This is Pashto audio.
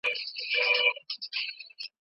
په هر حالت کي پر مثبتو اړخونو فکر وکړئ.